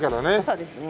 そうですね。